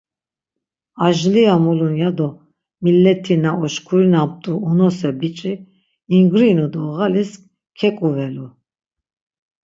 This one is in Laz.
Ajliya mulun ya do millet̆ina oşkurinamt̆u unose biç̌i ingrinu do ğalis keǩuvelu.